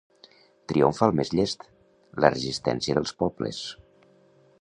Triomfa el més llest: la resistència dels pobles.